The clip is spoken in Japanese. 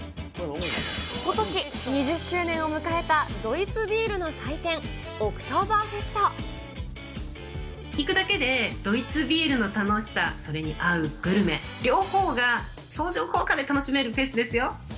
ことし２０周年を迎えたドイツビールの祭典、オクトーバーフェス行くだけでドイツビールの楽しさ、それに合うグルメ両方が相乗効果で楽しめるフェスですよ。